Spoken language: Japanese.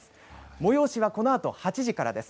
催しはこのあと８時からです。